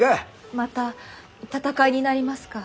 また戦いになりますか？